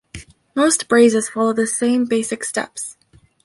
Most braises follow the same basic steps.